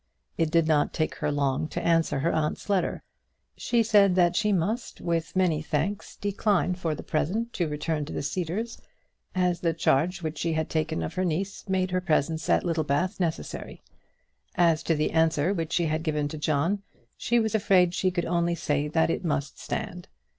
It did not take her long to answer her aunt's letter. She said that she must, with many thanks, decline for the present to return to the Cedars, as the charge which she had taken of her niece made her presence at Littlebath necessary. As to the answer which she had given to John, she was afraid she could only say that it must stand.